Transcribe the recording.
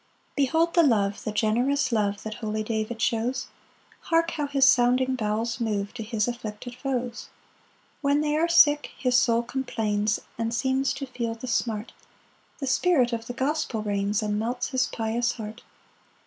1 Behold the love, the generous love That holy David shows; Hark, how his sounding bowels move To his afflicted foes! 2 When they are sick his soul complains, And seems to feel the smart; The spirit of the gospel reigns, And melts his pious heart.